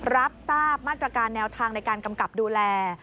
รับทราบมาตรการแนวทางในการกำกับดูแล